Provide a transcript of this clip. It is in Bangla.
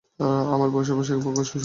আমরা বসে বসেই শুরু করি আপাতত?